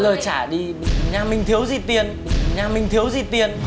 tôi chẳng ngại gì